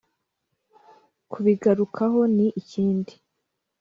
kubigarukaho ni ikindi